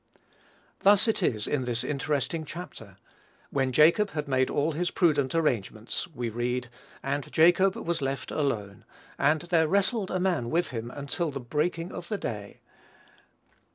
Thus it is in this interesting chapter; when Jacob had made all his prudent arrangements, we read, "And Jacob was left alone; and there wrestled a man with him until the breaking of the day."